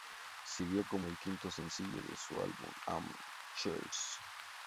Sirvió como el quinto sencillo de su álbum "Am I a Girl?